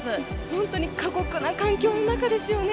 本当に過酷な環境の中ですよね。